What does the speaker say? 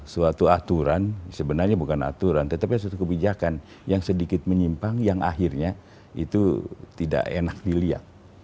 suatu aturan sebenarnya bukan aturan tetapi suatu kebijakan yang sedikit menyimpang yang akhirnya itu tidak enak dilihat